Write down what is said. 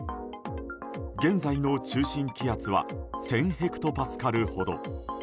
現在の中心気圧は１０００ヘクトパスカルほど。